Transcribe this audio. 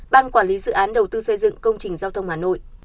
ban quản lý dự án đầu tư xây dựng công trình giao thông hà nội